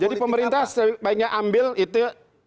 jadi pemerintah sebaiknya ambil itu